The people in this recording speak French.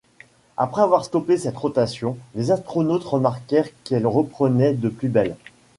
Après avoir stoppé cette rotation, les astronautes remarquèrent qu'elle reprenait de plus belle.